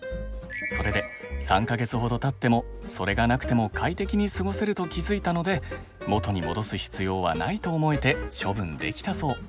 それで３か月ほどたってもそれがなくても快適に過ごせると気づいたので元に戻す必要はないと思えて処分できたそう。